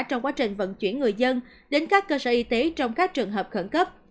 trong quá trình vận chuyển người dân đến các cơ sở y tế trong các trường hợp khẩn cấp